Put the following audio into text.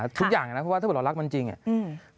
ทุกอย่างเนี่ยนะเพราะว่าถ้าเผื่อเรารักมันจริงเนี่ย